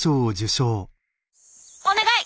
「お願い！」。